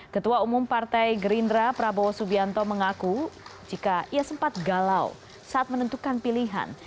ketua umum partai gerindra prabowo subianto mengaku jika ia sempat galau saat menentukan pilihan